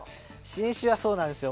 新種は、そうなんですよ。